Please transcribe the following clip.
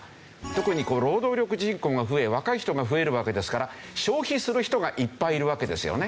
特に労働力人口が増え若い人が増えるわけですから消費する人がいっぱいいるわけですよね。